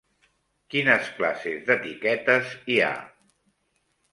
Quines classes d'etiquetes hi ha?